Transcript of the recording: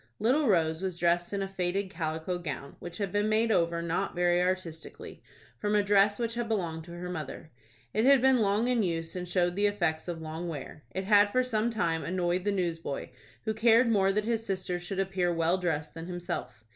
Little Rose was dressed in a faded calico gown, which had been made over, not very artistically, from a dress which had belonged to her mother. It had been long in use, and showed the effects of long wear. It had for some time annoyed the newsboy, who cared more that his sister should appear well dressed than himself.